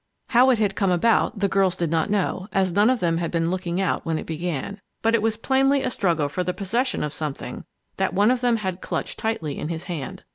How it had come about, the girls did not know, as none of them had been looking out when it began. But it was plainly a struggle for the possession of something that one of them had clutched tightly in his hand.